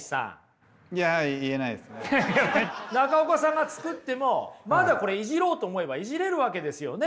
中岡さんが作ってもまだこれいじろうと思えばいじれるわけですよね。